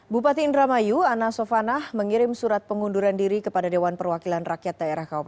bupati indramayu ana sofana mengirim surat pengunduran diri kepada dewan perwakilan rakyat daerah kabupaten